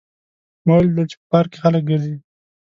ما ولیدل چې په پارک کې خلک ګرځي